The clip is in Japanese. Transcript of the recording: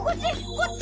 こっち！